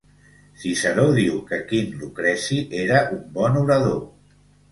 Ciceró diu que Quint Lucreci era un bon orador.